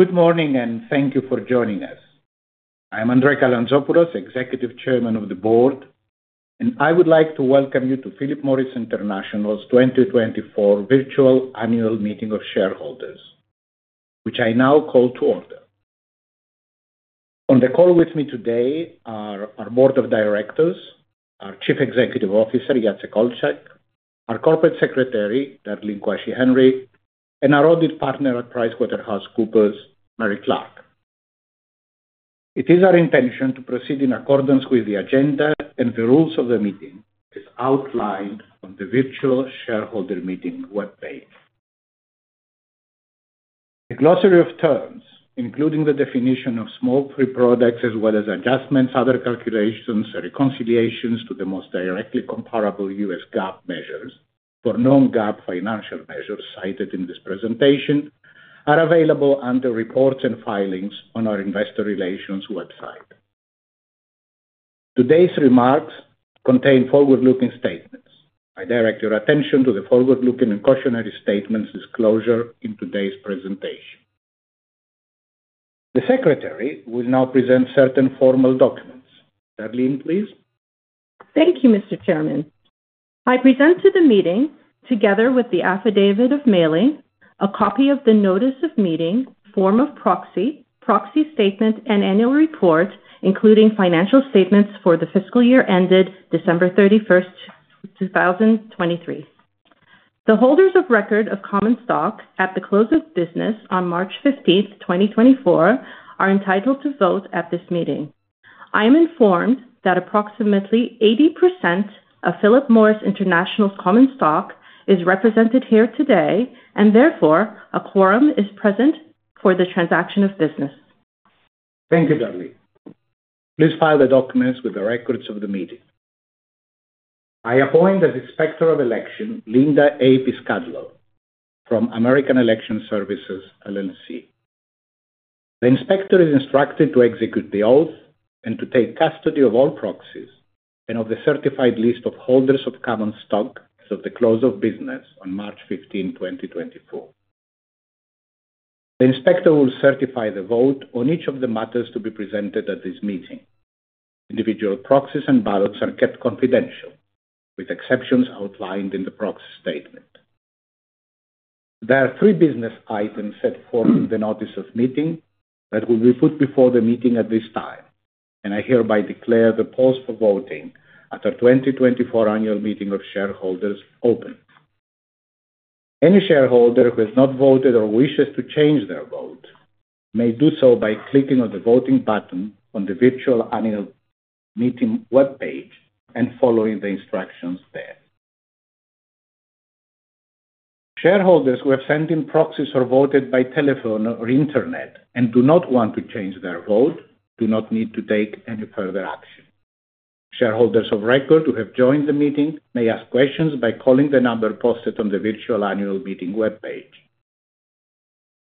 Good morning and thank you for joining us. I'm André Calantzopoulos, Executive Chairman of the Board, and I would like to welcome you to Philip Morris International's 2024 Virtual Annual Meeting of Shareholders, which I now call to order. On the call with me today are our Board of Directors, our Chief Executive Officer Jacek Olczak, our Corporate Secretary Darlene Quashie Henry, and our Audit Partner at PricewaterhouseCoopers Mary Clark. It is our intention to proceed in accordance with the agenda and the rules of the meeting as outlined on the Virtual Shareholder Meeting web page. The glossary of terms, including the definition of smoke-free products as well as adjustments, other calculations, and reconciliations to the most directly comparable U.S. GAAP measures for non-GAAP financial measures cited in this presentation, are available under Reports and Filings on our Investor Relations website. Today's remarks contain forward-looking statements. I direct your attention to the forward-looking and cautionary statements disclosure in today's presentation. The Secretary will now present certain formal documents. Darlene, please. Thank you, Mr. Chairman. I present to the meeting, together with the affidavit of mailing, a copy of the notice of meeting, form of proxy, proxy statement, and annual report, including financial statements for the fiscal year ended December 31st, 2023. The holders of record of common stock at the close of business on March 15th, 2024, are entitled to vote at this meeting. I am informed that approximately 80% of Philip Morris International's common stock is represented here today, and therefore a quorum is present for the transaction of business. Thank you, Darlene. Please file the documents with the records of the meeting. I appoint as Inspector of Election Linda A. Piscadlo from American Election Services, LLC. The inspector is instructed to execute the oath and to take custody of all proxies and of the certified list of holders of common stock as of the close of business on March 15th, 2024. The inspector will certify the vote on each of the matters to be presented at this meeting. Individual proxies and ballots are kept confidential, with exceptions outlined in the proxy statement. There are three business items set forth in the notice of meeting that will be put before the meeting at this time, and I hereby declare the pause for voting at our 2024 Annual Meeting of Shareholders open. Any shareholder who has not voted or wishes to change their vote may do so by clicking on the voting button on the Virtual Annual Meeting web page and following the instructions there. Shareholders who have sent in proxies or voted by telephone or internet and do not want to change their vote do not need to take any further action. Shareholders of record who have joined the meeting may ask questions by calling the number posted on the Virtual Annual Meeting web page.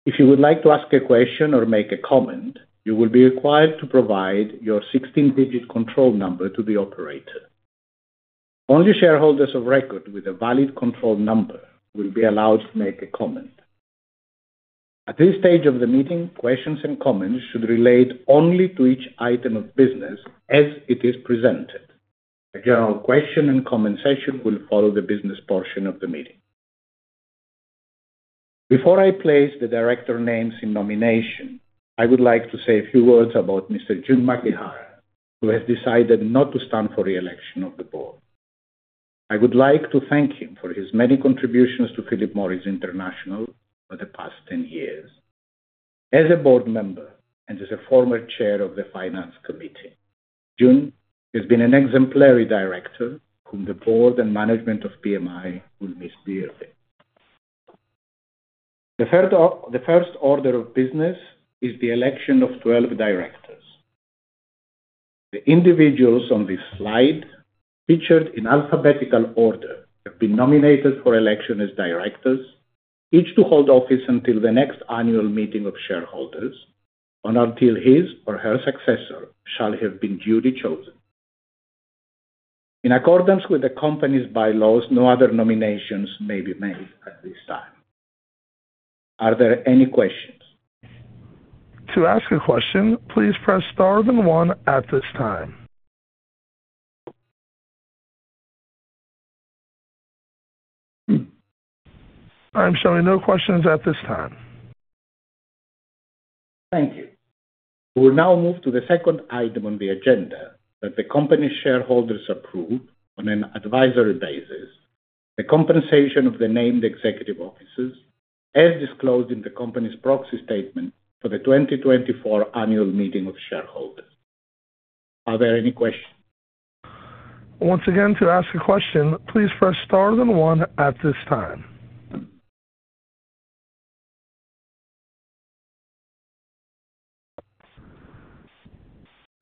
If you would like to ask a question or make a comment, you will be required to provide your 16-digit control number to the operator. Only shareholders of record with a valid control number will be allowed to make a comment. At this stage of the meeting, questions and comments should relate only to each item of business as it is presented. A general question and comment session will follow the business portion of the meeting. Before I place the director names in nomination, I would like to say a few words about Mr. Jun Makihara, who has decided not to stand for reelection of the board. I would like to thank him for his many contributions to Philip Morris International over the past 10 years. As a board member and as a former chair of the Finance Committee, Jun has been an exemplary director whom the board and management of PMI will miss dearly. The first order of business is the election of 12 directors. The individuals on this slide, featured in alphabetical order, have been nominated for election as directors, each to hold office until the next annual meeting of shareholders, until his or her successor shall have been duly chosen. In accordance with the company's bylaws, no other nominations may be made at this time. Are there any questions? To ask a question, please press star then one at this time. I'm showing no questions at this time. Thank you. We will now move to the second item on the agenda that the company's shareholders approve on an advisory basis, the compensation of the named executive officers, as disclosed in the company's proxy statement for the 2024 Annual Meeting of Shareholders. Are there any questions? Once again, to ask a question, please press star then one at this time.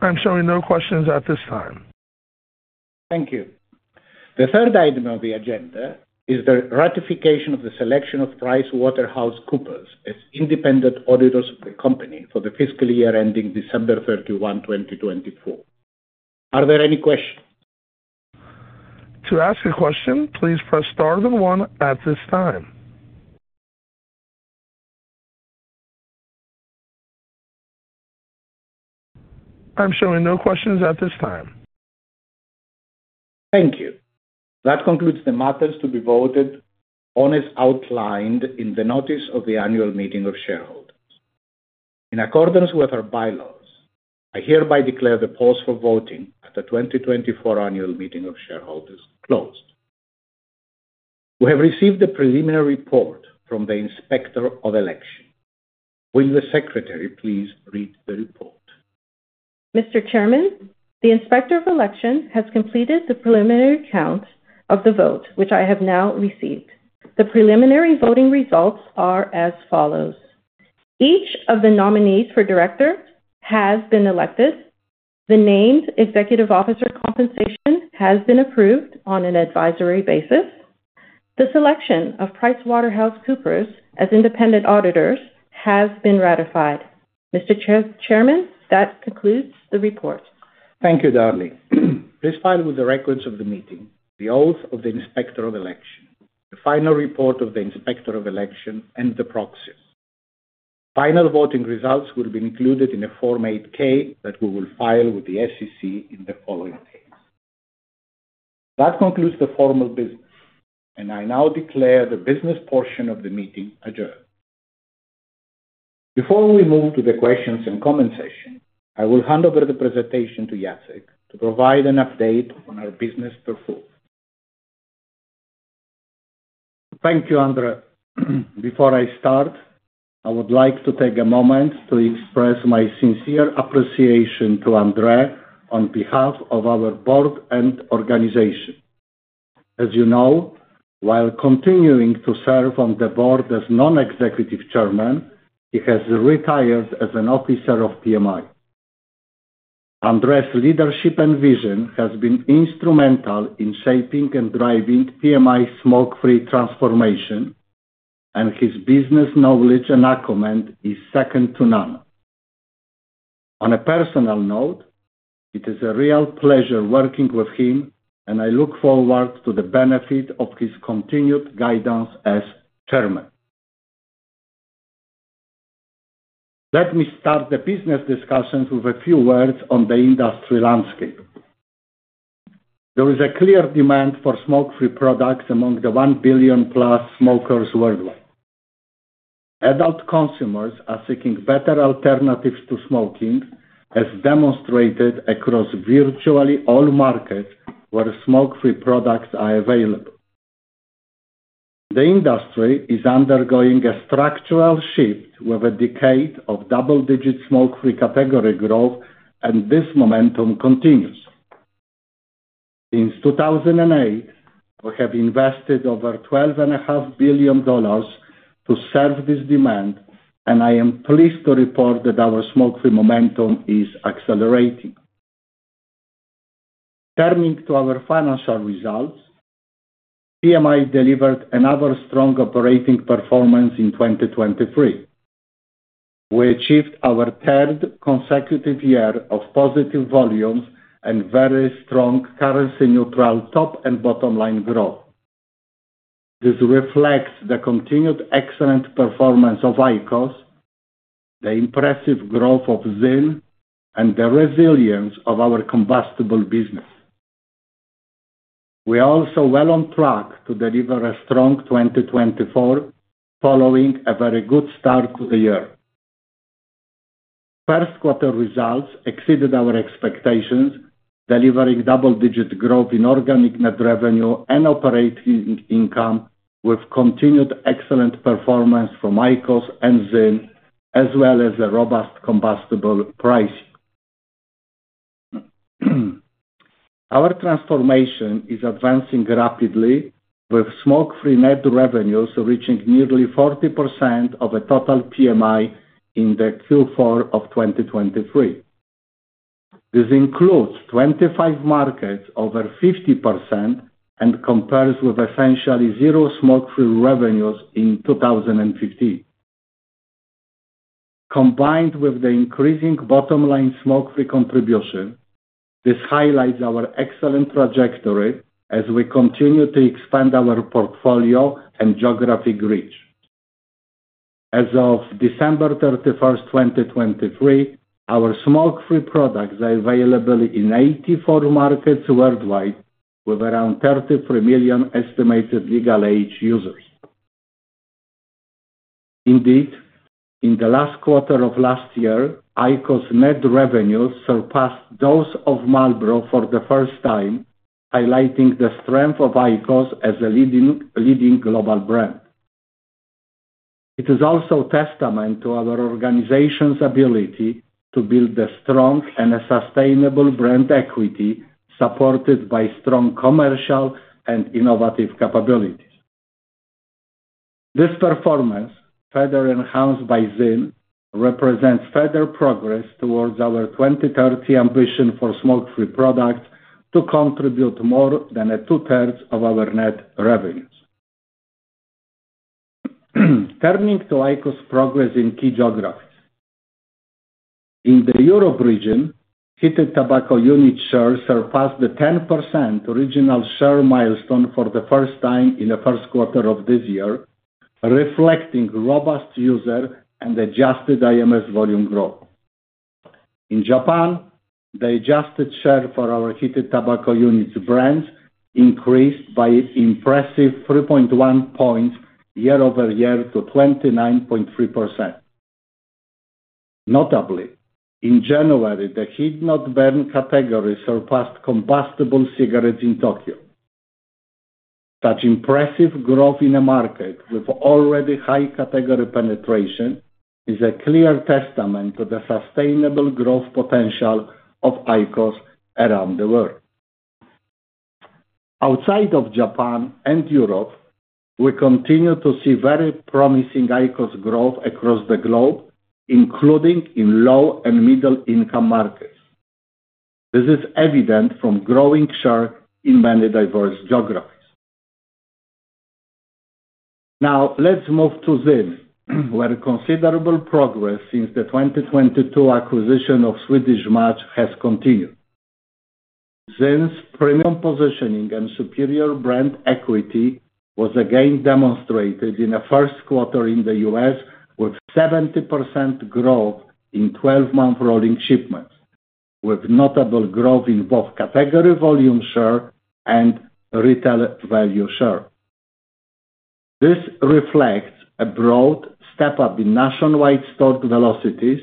I'm showing no questions at this time. Thank you. The third item on the agenda is the ratification of the selection of PricewaterhouseCoopers as independent auditors of the company for the fiscal year ending December 31st, 2024. Are there any questions? To ask a question, please press star then one at this time. I'm showing no questions at this time. Thank you. That concludes the matters to be voted on as outlined in the notice of the annual meeting of shareholders. In accordance with our bylaws, I hereby declare the pause for voting at the 2024 Annual Meeting of Shareholders closed. We have received the preliminary report from the inspector of election. Will the secretary please read the report? Mr. Chairman, the inspector of election has completed the preliminary count of the vote, which I have now received. The preliminary voting results are as follows. Each of the nominees for director has been elected. The named executive officer compensation has been approved on an advisory basis. The selection of PricewaterhouseCoopers as independent auditors has been ratified. Mr. Chairman, that concludes the report. Thank you, Darlene. Please file with the records of the meeting the oath of the inspector of election, the final report of the inspector of election, and the proxy. Final voting results will be included in a Form 8-K that we will file with the SEC in the following days. That concludes the formal business, and I now declare the business portion of the meeting adjourned. Before we move to the questions and comment session, I will hand over the presentation to Jacek to provide an update on our business performance. Thank you, André. Before I start, I would like to take a moment to express my sincere appreciation to André on behalf of our board and organization. As you know, while continuing to serve on the board as non-executive chairman, he has retired as an officer of PMI. André's leadership and vision have been instrumental in shaping and driving PMI's smoke-free transformation, and his business knowledge and acumen is second to none. On a personal note, it is a real pleasure working with him, and I look forward to the benefit of his continued guidance as chairman. Let me start the business discussions with a few words on the industry landscape. There is a clear demand for smoke-free products among the 1 billion-plus smokers worldwide. Adult consumers are seeking better alternatives to smoking, as demonstrated across virtually all markets where smoke-free products are available. The industry is undergoing a structural shift with a decade of double-digit smoke-free category growth, and this momentum continues. Since 2008, we have invested over $12.5 billion to serve this demand, and I am pleased to report that our smoke-free momentum is accelerating. Turning to our financial results, PMI delivered another strong operating performance in 2023. We achieved our third consecutive year of positive volumes and very strong currency-neutral top and bottom line growth. This reflects the continued excellent performance of IQOS, the impressive growth of ZYN, and the resilience of our combustible business. We are also well on track to deliver a strong 2024, following a very good start to the year. First-quarter results exceeded our expectations, delivering double-digit growth in organic net revenue and operating income with continued excellent performance from IQOS and ZYN, as well as a robust combustible pricing. Our transformation is advancing rapidly, with smoke-free net revenues reaching nearly 40% of a total PMI in the Q4 of 2023. This includes 25 markets over 50% and compares with essentially zero smoke-free revenues in 2015. Combined with the increasing bottom line smoke-free contribution, this highlights our excellent trajectory as we continue to expand our portfolio and geographic reach. As of December 31st, 2023, our smoke-free products are available in 84 markets worldwide, with around 33 million estimated legal age users. Indeed, in the last quarter of last year, IQOS net revenues surpassed those of Marlboro for the first time, highlighting the strength of IQOS as a leading global brand. It is also testament to our organization's ability to build a strong and sustainable brand equity supported by strong commercial and innovative capabilities. This performance, further enhanced by ZYN, represents further progress towards our 2030 ambition for smoke-free products to contribute more than two-thirds of our net revenues. Turning to IQOS' progress in key geographies. In the Europe region, heated tobacco unit shares surpassed the 10% overall share milestone for the first time in the first quarter of this year, reflecting robust user and adjusted IMS volume growth. In Japan, the adjusted share for our heated tobacco units brands increased by an impressive 3.1 points year-over-year to 29.3%. Notably, in January, the heat-not-burn category surpassed combustible cigarettes in Tokyo. Such impressive growth in a market with already high category penetration is a clear testament to the sustainable growth potential of IQOS around the world. Outside of Japan and Europe, we continue to see very promising IQOS growth across the globe, including in low and middle-income markets. This is evident from growing shares in many diverse geographies. Now, let's move to ZYN, where considerable progress since the 2022 acquisition of Swedish Match has continued. ZYN's premium positioning and superior brand equity were again demonstrated in the first quarter in the U.S., with 70% growth in 12-month rolling shipments, with notable growth in both category volume share and retail value share. This reflects a broad step-up in nationwide stock velocities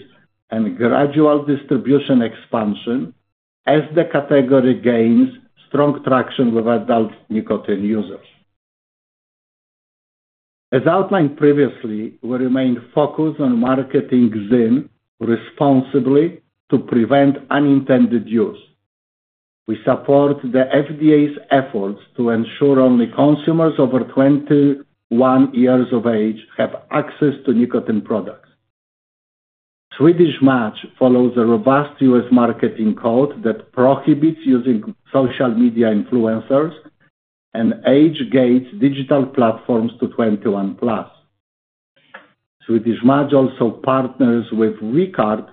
and gradual distribution expansion as the category gains strong traction with adult nicotine users. As outlined previously, we remain focused on marketing ZYN responsibly to prevent unintended use. We support the FDA's efforts to ensure only consumers over 21 years of age have access to nicotine products. Swedish Match follows a robust U.S. marketing code that prohibits using social media influencers and age-gates digital platforms to 21-plus. Swedish Match also partners with We Card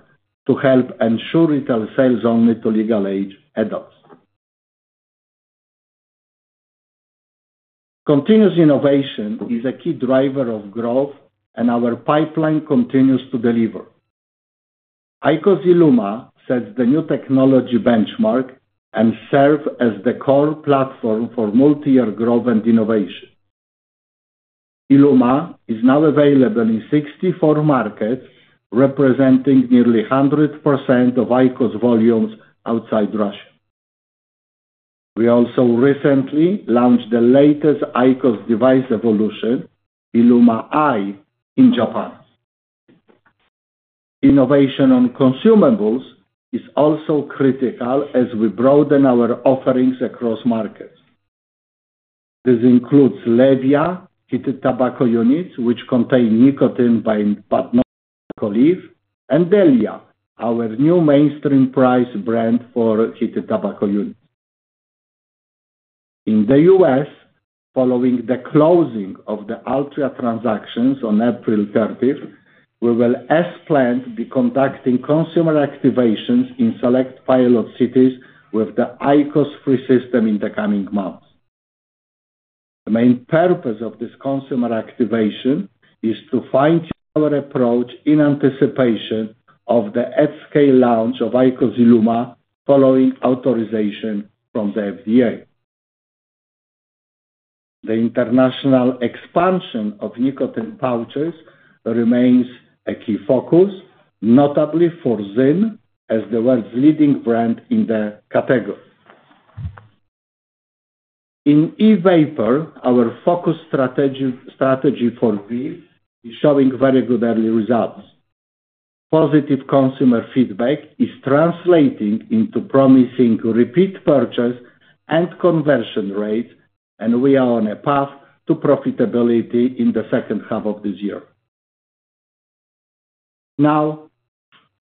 to help ensure retail sales only to legal age adults. Continuous innovation is a key driver of growth, and our pipeline continues to deliver. IQOS ILUMA sets the new technology benchmark and serves as the core platform for multi-year growth and innovation. ILUMA is now available in 64 markets, representing nearly 100% of IQOS volumes outside Russia. We also recently launched the latest IQOS device evolution, ILUMA i, in Japan. Innovation on consumables is also critical as we broaden our offerings across markets. This includes LEVIA, heated tobacco units which contain nicotine but no tobacco leaves, and DELIA, our new mainstream priced brand for heated tobacco units. In the US, following the closing of the Altria transactions on April 30th, we will, as planned, be conducting consumer activations in select pilot cities with the IQOS ILUMA system in the coming months. The main purpose of this consumer activation is to fine-tune our approach in anticipation of the at-scale launch of IQOS ILUMA following authorization from the FDA. The international expansion of nicotine pouches remains a key focus, notably for ZYN as the world's leading brand in the category. In e-vapor, our focus strategy for VEEV is showing very good early results. Positive consumer feedback is translating into promising repeat purchase and conversion rates, and we are on a path to profitability in the second half of this year. Now,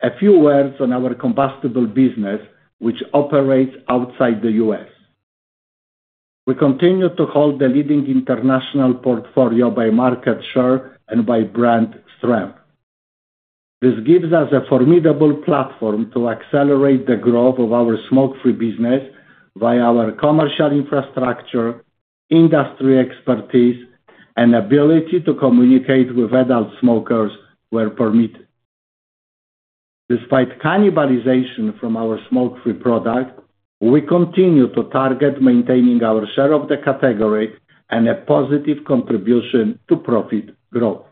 a few words on our combustible business, which operates outside the U.S. We continue to hold the leading international portfolio by market share and by brand strength. This gives us a formidable platform to accelerate the growth of our smoke-free business via our commercial infrastructure, industry expertise, and ability to communicate with adult smokers where permitted. Despite cannibalization from our smoke-free product, we continue to target maintaining our share of the category and a positive contribution to profit growth.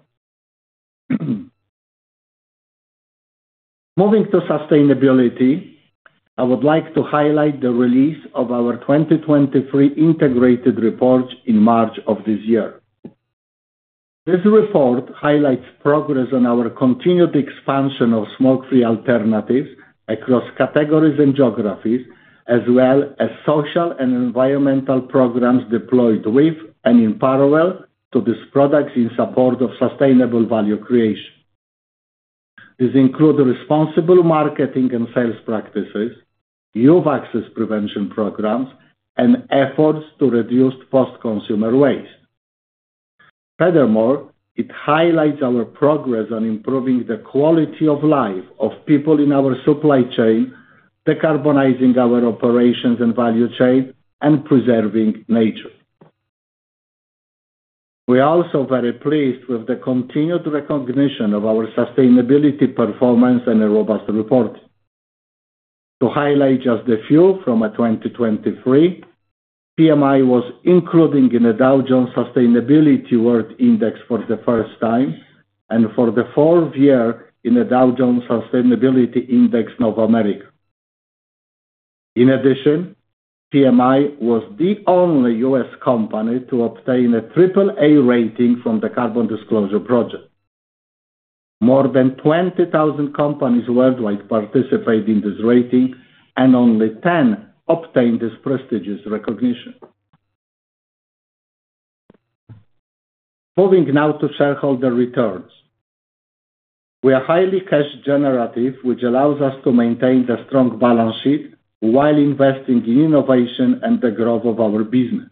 Moving to sustainability, I would like to highlight the release of our 2023 Integrated Report in March of this year. This report highlights progress on our continued expansion of smoke-free alternatives across categories and geographies, as well as social and environmental programs deployed with and in parallel to these products in support of sustainable value creation. This includes responsible marketing and sales practices, youth access prevention programs, and efforts to reduce post-consumer waste. Furthermore, it highlights our progress on improving the quality of life of people in our supply chain, decarbonizing our operations and value chain, and preserving nature. We are also very pleased with the continued recognition of our sustainability performance and robust reporting. To highlight just a few from 2023: PMI was included in the Dow Jones Sustainability World Index for the first time and for the fourth year in the Dow Jones Sustainability Index of America. In addition, PMI was the only U.S. company to obtain a AAA rating from the Carbon Disclosure Project. More than 20,000 companies worldwide participated in this rating, and only 10 obtained this prestigious recognition. Moving now to shareholder returns. We are highly cash-generative, which allows us to maintain a strong balance sheet while investing in innovation and the growth of our business.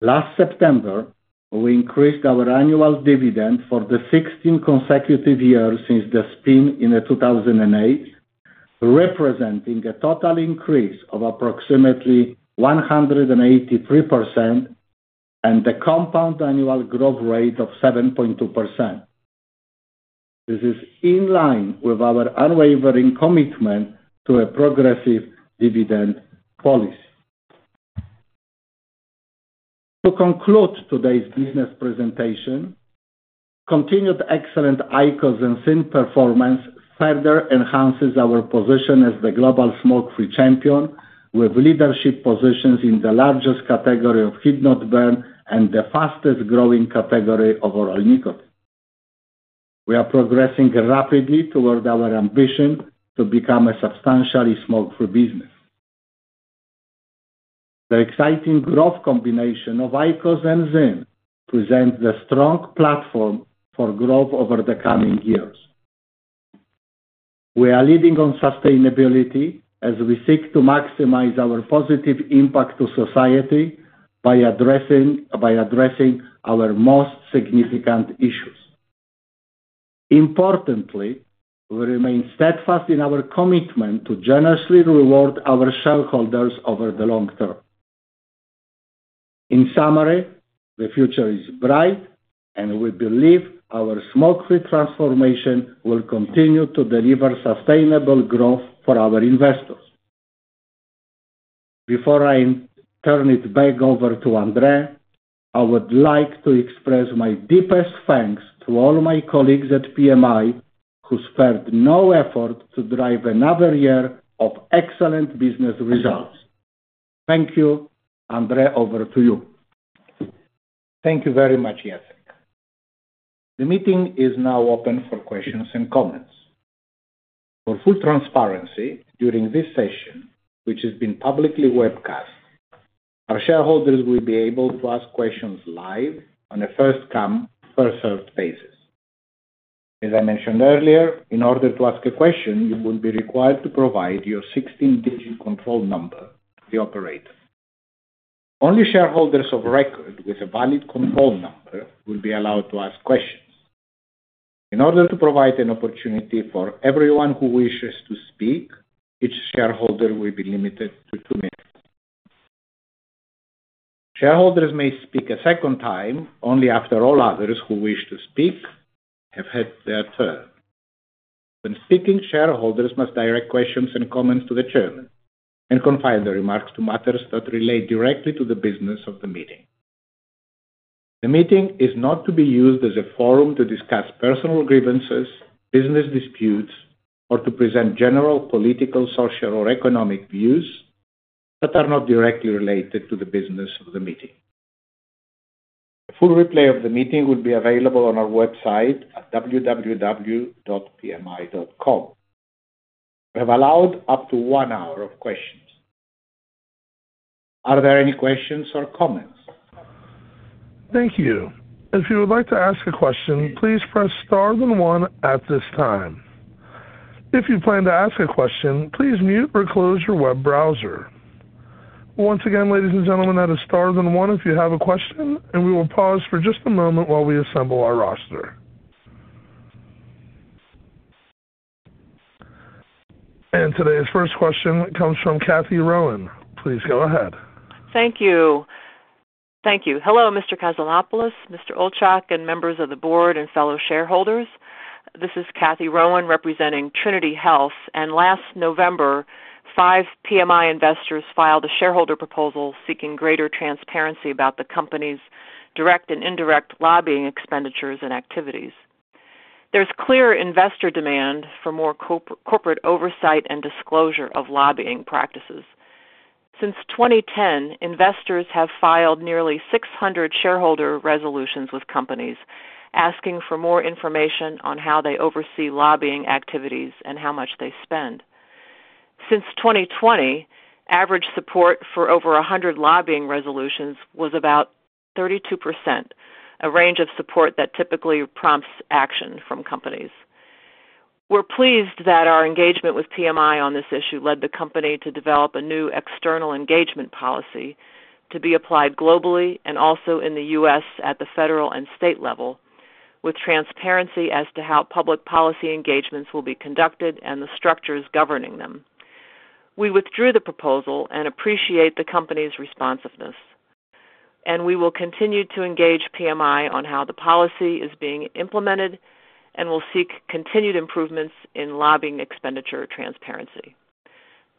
Last September, we increased our annual dividend for the 16 consecutive years since the spin in 2008, representing a total increase of approximately 183% and a compound annual growth rate of 7.2%. This is in line with our unwavering commitment to a progressive dividend policy. To conclude today's business presentation: continued excellent IQOS and ZYN performance further enhances our position as the global smoke-free champion, with leadership positions in the largest category of heat-not-burn and the fastest-growing category of oral nicotine. We are progressing rapidly toward our ambition to become a substantially smoke-free business. The exciting growth combination of IQOS and ZYN presents a strong platform for growth over the coming years. We are leading on sustainability as we seek to maximize our positive impact on society by addressing our most significant issues. Importantly, we remain steadfast in our commitment to generously reward our shareholders over the long term. In summary, the future is bright, and we believe our smoke-free transformation will continue to deliver sustainable growth for our investors. Before I turn it back over to André, I would like to express my deepest thanks to all my colleagues at PMI, who spared no effort to drive another year of excellent business results. Thank you, André, over to you. Thank you very much, Jacek. The meeting is now open for questions and comments. For full transparency, during this session, which has been publicly webcast, our shareholders will be able to ask questions live on a first-come, first-served basis. As I mentioned earlier, in order to ask a question, you will be required to provide your 16-digit control number to the operator. Only shareholders of record with a valid control number will be allowed to ask questions. In order to provide an opportunity for everyone who wishes to speak, each shareholder will be limited to two minutes. Shareholders may speak a second time only after all others who wish to speak have had their turn. When speaking, shareholders must direct questions and comments to the chairman and confine their remarks to matters that relate directly to the business of the meeting. The meeting is not to be used as a forum to discuss personal grievances, business disputes, or to present general political, social, or economic views that are not directly related to the business of the meeting. A full replay of the meeting will be available on our website at www.pmi.com. We have allowed up to one hour of questions. Are there any questions or comments? Thank you. If you would like to ask a question, please press star, then one at this time. If you plan to ask a question, please mute or close your web browser. Once again, ladies and gentlemen, press star, then one if you have a question, and we will pause for just a moment while we assemble our roster. And today's first question comes from Cathy Rowan. Please go ahead. Thank you. Thank you. Hello, Mr. Calantzopoulos, Mr. Olczak, and members of the board and fellow shareholders. This is Cathy Rowan representing Trinity Health, and last November, five PMI investors filed a shareholder proposal seeking greater transparency about the company's direct and indirect lobbying expenditures and activities. There's clear investor demand for more corporate oversight and disclosure of lobbying practices. Since 2010, investors have filed nearly 600 shareholder resolutions with companies, asking for more information on how they oversee lobbying activities and how much they spend. Since 2020, average support for over 100 lobbying resolutions was about 32%, a range of support that typically prompts action from companies. We're pleased that our engagement with PMI on this issue led the company to develop a new external engagement policy to be applied globally and also in the U.S. at the federal and state level, with transparency as to how public policy engagements will be conducted and the structures governing them. We withdrew the proposal and appreciate the company's responsiveness, and we will continue to engage PMI on how the policy is being implemented, and we'll seek continued improvements in lobbying expenditure transparency.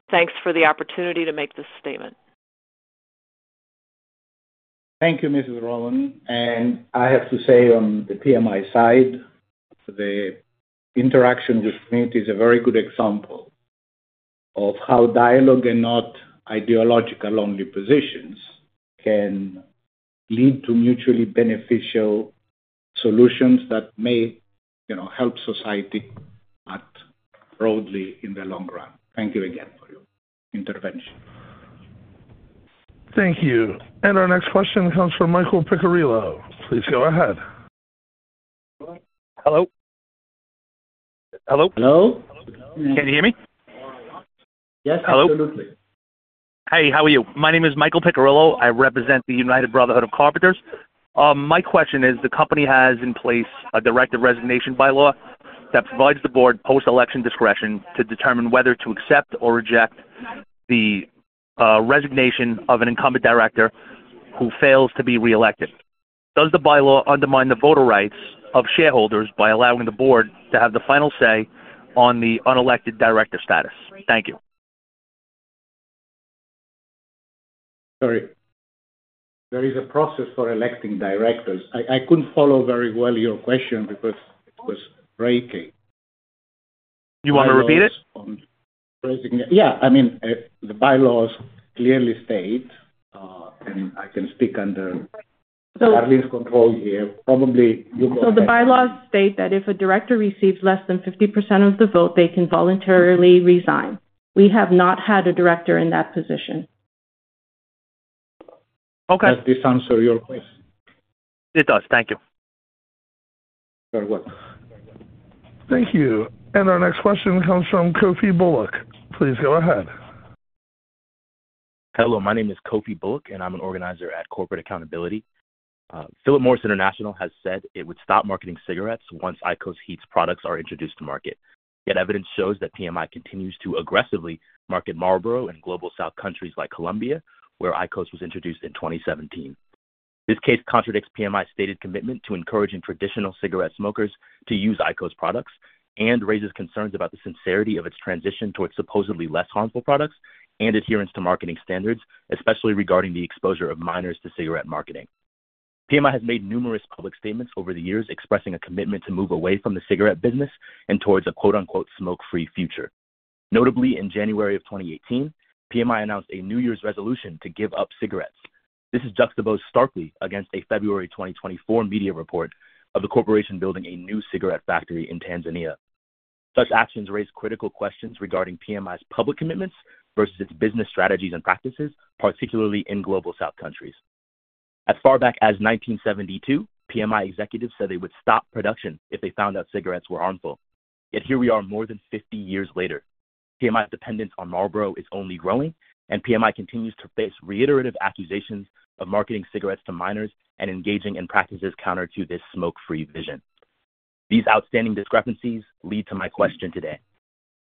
Thanks for the opportunity to make this statement. Thank you, Mrs. Rowan. And I have to say, on the PMI side, the interaction with Trinity is a very good example of how dialogue and not ideological-only positions can lead to mutually beneficial solutions that may help society broadly in the long run. Thank you again for your intervention. Thank you. Our next question comes from Michael Piccarillo. Please go ahead. Hello? Hello? Hello? Can you hear me? Yes, absolutely. Hey, how are you? My name is Michael Piccarillo. I represent the United Brotherhood of Carpenters. My question is: the company has in place a Director Resignation Bylaw that provides the board post-election discretion to determine whether to accept or reject the resignation of an incumbent director who fails to be reelected. Does the bylaw undermine the voter rights of shareholders by allowing the board to have the final say on the unelected director status? Thank you. Sorry. There is a process for electing directors. I couldn't follow very well your question because it was breaking. You want to repeat it? Yeah. I mean, the bylaws clearly state, and I can speak under Darlene's control here. Probably you go ahead. The bylaws state that if a director receives less than 50% of the vote, they can voluntarily resign. We have not had a director in that position. Does this answer your question? It does. Thank you. Very well. Thank you. Our next question comes from Kofi Bullock. Please go ahead. Hello. My name is Kofi Bullock, and I'm an organizer at Corporate Accountability. Philip Morris International has said it would stop marketing cigarettes once IQOS heated products are introduced to market, yet evidence shows that PMI continues to aggressively market Marlboro in Global South countries like Colombia, where IQOS was introduced in 2017. This case contradicts PMI's stated commitment to encouraging traditional cigarette smokers to use IQOS products and raises concerns about the sincerity of its transition towards supposedly less harmful products and adherence to marketing standards, especially regarding the exposure of minors to cigarette marketing. PMI has made numerous public statements over the years expressing a commitment to move away from the cigarette business and towards a "smoke-free future." Notably, in January of 2018, PMI announced a New Year's resolution to give up cigarettes. This is juxtaposed starkly against a February 2024 media report of the corporation building a new cigarette factory in Tanzania. Such actions raise critical questions regarding PMI's public commitments versus its business strategies and practices, particularly in Global South countries. As far back as 1972, PMI executives said they would stop production if they found out cigarettes were harmful. Yet here we are, more than 50 years later. PMI's dependence on Marlboro is only growing, and PMI continues to face reiterative accusations of marketing cigarettes to minors and engaging in practices counter to this smoke-free vision. These outstanding discrepancies lead to my question today: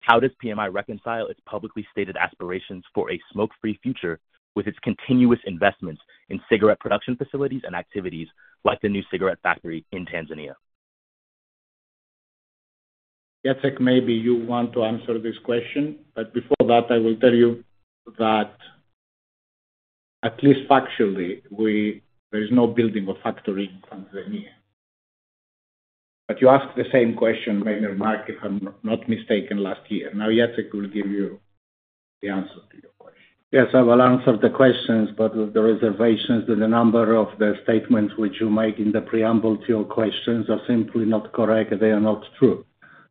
how does PMI reconcile its publicly stated aspirations for a smoke-free future with its continuous investments in cigarette production facilities and activities like the new cigarette factory in Tanzania? Jacek, maybe you want to answer this question, but before that, I will tell you that, at least factually, there is no building of a factory in Tanzania. But you asked the same question, Mayor Mark, if I'm not mistaken, last year. Now, Jacek will give you the answer to your question. Yes, I will answer the questions, but with the reservations that the number of the statements which you make in the preamble to your questions are simply not correct; they are not true.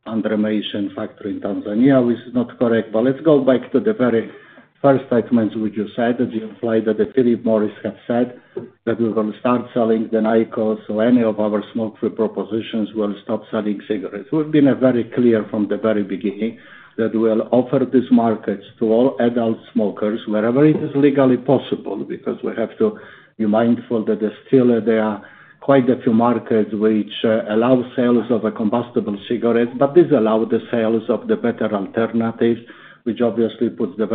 [And the nation's] factory in Tanzania, which is not correct. But let's go back to the very first statements which you said, that you implied that Philip Morris has said that we will start selling the IQOS, so any of our smoke-free products will stop selling cigarettes. We've been very clear from the very beginning that we will offer these markets to all adult smokers wherever it is legally possible because we have to be mindful that still there are quite a few markets which allow sales of combustible cigarettes, but this allows the sales of the better alternatives, which obviously puts a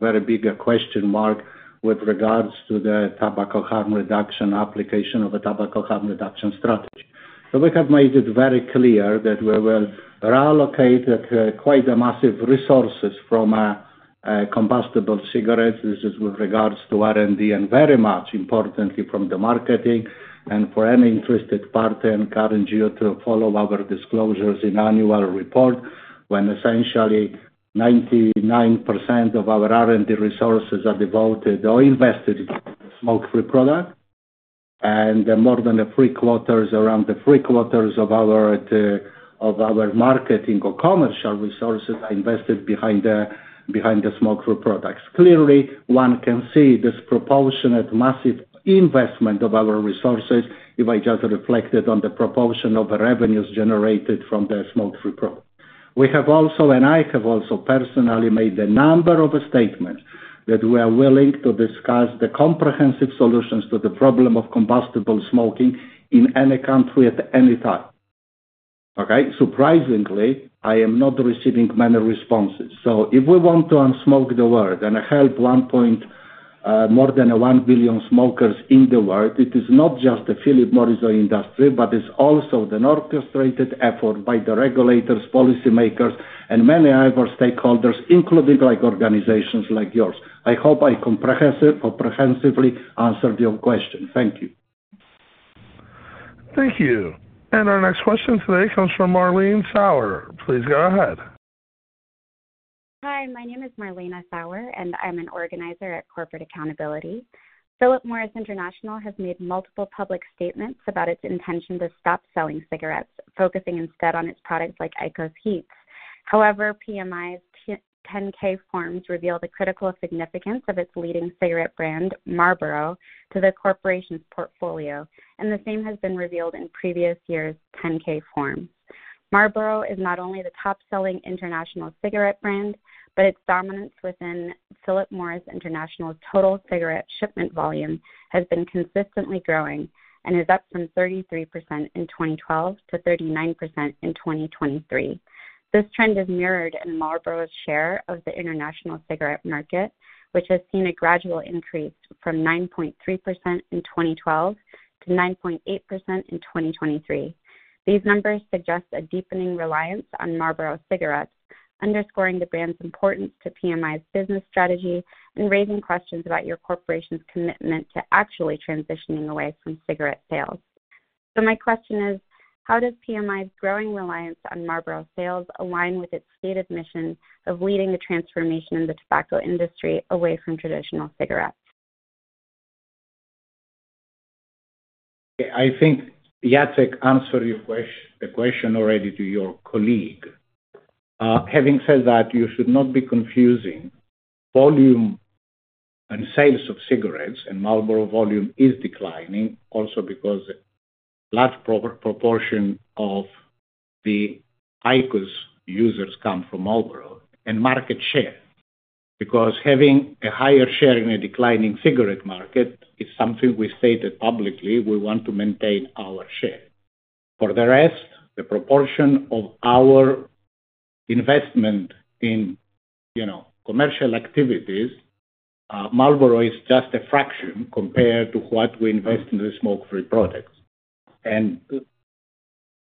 very big question mark with regards to the tobacco harm reduction application of a tobacco harm reduction strategy. So we have made it very clear that we will reallocate quite a massive resources from combustible cigarettes; this is with regards to R&D and very much importantly from the marketing. For any interested party and current CEO to follow our disclosures in annual report, when essentially 99% of our R&D resources are devoted or invested in smoke-free products, and more than three-quarters around three-quarters of our marketing or commercial resources are invested behind the smoke-free products. Clearly, one can see this proportionate massive investment of our resources if I just reflected on the proportion of revenues generated from the smoke-free products. We have also, and I have also personally made a number of statements that we are willing to discuss comprehensive solutions to the problem of combustible smoking in any country at any time. Okay? Surprisingly, I am not receiving many responses. So if we want to unsmoke the world and help more than 1 billion smokers in the world, it is not just the Philip Morris International, but it's also the orchestrated effort by the regulators, policymakers, and many other stakeholders, including organizations like yours. I hope I comprehensively answered your question. Thank you. Thank you. Our next question today comes from Marlene Sauer. Please go ahead. Hi. My name is Marlene Sauer, and I'm an organizer at Corporate Accountability. Philip Morris International has made multiple public statements about its intention to stop selling cigarettes, focusing instead on its products like IQOS HEETS. However, PMI's 10-K forms reveal the critical significance of its leading cigarette brand, Marlboro, to the corporation's portfolio, and the same has been revealed in previous years' 10-K forms. Marlboro is not only the top-selling international cigarette brand, but its dominance within Philip Morris International's total cigarette shipment volume has been consistently growing and is up from 33% in 2012 to 39% in 2023. This trend is mirrored in Marlboro's share of the international cigarette market, which has seen a gradual increase from 9.3% in 2012 to 9.8% in 2023. These numbers suggest a deepening reliance on Marlboro cigarettes, underscoring the brand's importance to PMI's business strategy and raising questions about your corporation's commitment to actually transitioning away from cigarette sales. So my question is: how does PMI's growing reliance on Marlboro sales align with its stated mission of leading the transformation in the tobacco industry away from traditional cigarettes? I think Jacek answered your question already to your colleague. Having said that, you should not be confusing volume and sales of cigarettes, and Marlboro volume is declining also because a large proportion of the IQOS users come from Marlboro and market share, because having a higher share in a declining cigarette market is something we stated publicly. We want to maintain our share. For the rest, the proportion of our investment in commercial activities, Marlboro is just a fraction compared to what we invest in the smoke-free products. And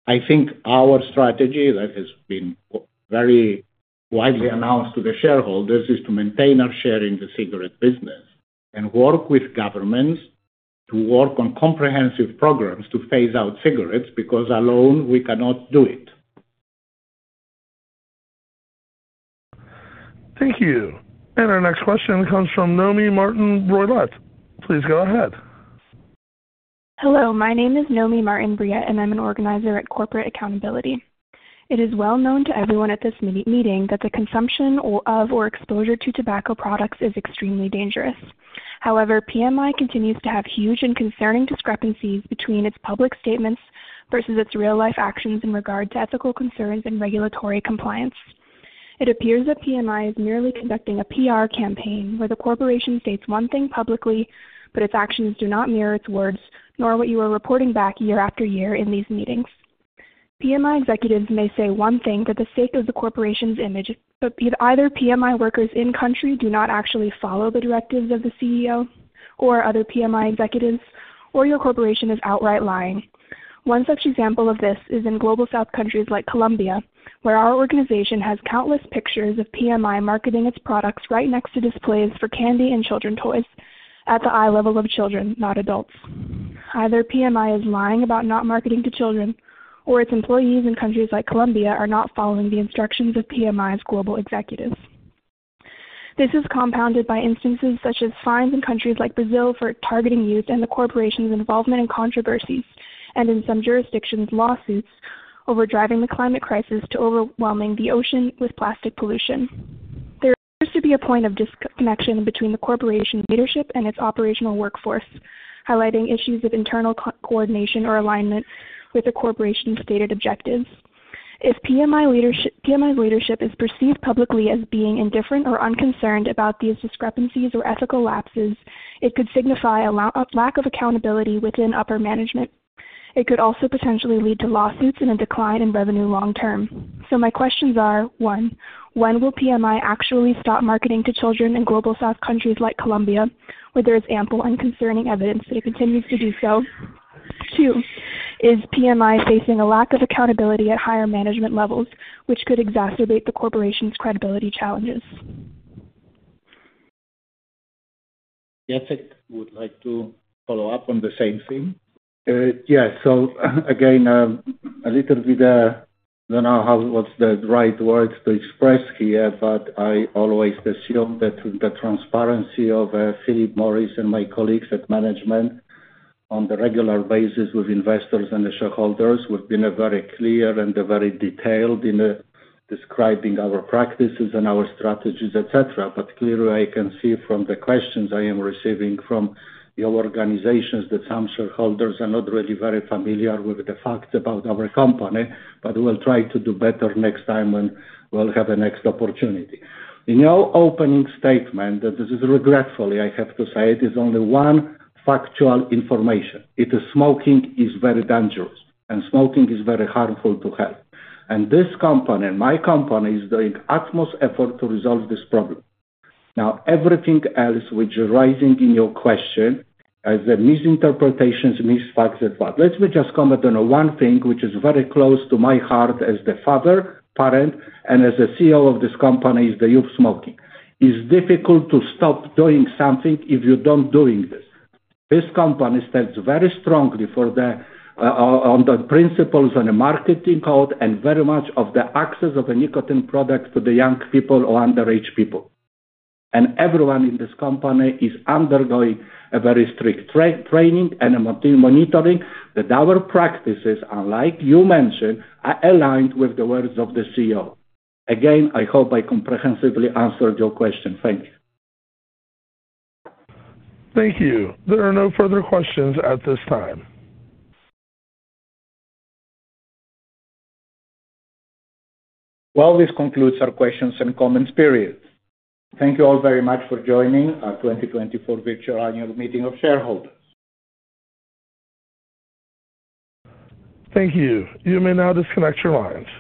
I think our strategy that has been very widely announced to the shareholders is to maintain our share in the cigarette business and work with governments to work on comprehensive programs to phase out cigarettes because alone, we cannot do it. Thank you. And our next question comes from Nomi Martin-Brouillette. Please go ahead. Hello. My name is Nomi Martin-Brouillette, and I'm an organizer at Corporate Accountability. It is well known to everyone at this meeting that the consumption of or exposure to tobacco products is extremely dangerous. However, PMI continues to have huge and concerning discrepancies between its public statements versus its real-life actions in regard to ethical concerns and regulatory compliance. It appears that PMI is merely conducting a PR campaign where the corporation states one thing publicly, but its actions do not mirror its words nor what you are reporting back year after year in these meetings. PMI executives may say one thing for the sake of the corporation's image, but either PMI workers in country do not actually follow the directives of the CEO or other PMI executives, or your corporation is outright lying. One such example of this is in Global South countries like Colombia, where our organization has countless pictures of PMI marketing its products right next to displays for candy and children's toys at the eye level of children, not adults. Either PMI is lying about not marketing to children, or its employees in countries like Colombia are not following the instructions of PMI's global executives. This is compounded by instances such as fines in countries like Brazil for targeting youth and the corporation's involvement in controversies, and in some jurisdictions, lawsuits over driving the climate crisis to overwhelming the ocean with plastic pollution. There appears to be a point of disconnection between the corporation's leadership and its operational workforce, highlighting issues of internal coordination or alignment with the corporation's stated objectives. If PMI's leadership is perceived publicly as being indifferent or unconcerned about these discrepancies or ethical lapses, it could signify a lack of accountability within upper management. It could also potentially lead to lawsuits and a decline in revenue long term. So my questions are: one, when will PMI actually stop marketing to children in Global South countries like Colombia, where there is ample and concerning evidence that it continues to do so? Two, is PMI facing a lack of accountability at higher management levels, which could exacerbate the corporation's credibility challenges? Jacek would like to follow up on the same thing. Yeah. So again, a little bit I don't know what's the right words to express here, but I always assume that the transparency of Philip Morris and my colleagues at management on a regular basis with investors and the shareholders would be very clear and very detailed in describing our practices and our strategies, etc. But clearly, I can see from the questions I am receiving from your organizations that some shareholders are not really very familiar with the facts about our company, but we'll try to do better next time when we'll have the next opportunity. In your opening statement, and this is regretfully, I have to say, it is only one factual information: smoking is very dangerous, and smoking is very harmful to health. And this company, my company, is doing utmost effort to resolve this problem. Now, everything else which is rising in your question as misinterpretations, misfacts, etc., let me just comment on one thing which is very close to my heart as the father, parent, and as the CEO of this company, is the youth smoking. It's difficult to stop doing something if you don't do this. This company stands very strongly on the principles and the marketing code and very much on the access of a nicotine product to the young people or underage people. Everyone in this company is undergoing a very strict training and monitoring that our practices, unlike you mentioned, are aligned with the words of the CEO. Again, I hope I comprehensively answered your question. Thank you. Thank you. There are no further questions at this time. Well, this concludes our questions and comments period. Thank you all very much for joining our 2024 virtual annual meeting of shareholders. Thank you. You may now disconnect your lines.